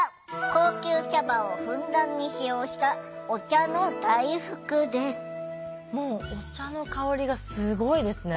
高級茶葉をふんだんに使用したもうお茶の香りがすごいですね。